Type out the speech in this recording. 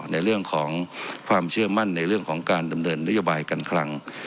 ในเรื่องของความเชื่อมั่นในเรื่องของการดำเนินนโยบายการคลัง